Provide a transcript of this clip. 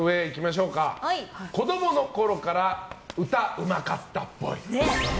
子どもの頃から歌うまかったっぽい。